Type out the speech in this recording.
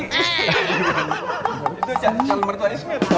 itu calon mertua ismet